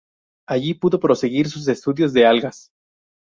Allí pudo proseguir sus estudios de algas.